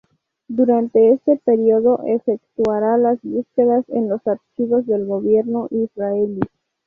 Durante este período efectuará las búsquedas en los archivos del gobierno israelí.